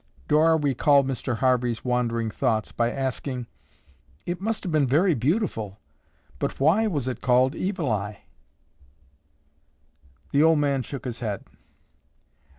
Dora recalled Mr. Harvey's wandering thoughts by asking, "It must have been very beautiful, but why was it called 'Evil Eye?'" The old man shook his head.